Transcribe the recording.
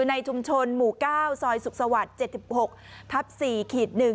ในชุมชนหมู่๙ซอยสุขสวรรค์๗๖ทับ๔๑